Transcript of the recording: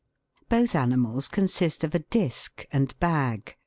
Both animals consist of a disk and bag.